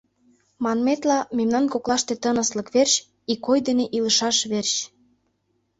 Манметла, мемнан коклаште тыныслык верч, ик ой дене илышаш верч!